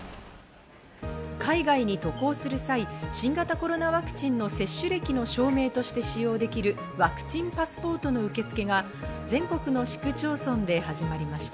海外に渡航する際、新型コロナワクチンの接種歴の証明として使用できるワクチンパスポートの受け付けが全国の市区町村で始まりました。